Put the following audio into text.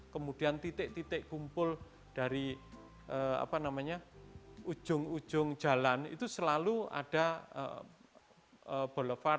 kemudian titik titik kumpul dari ujung ujung jalan itu selalu ada boulevard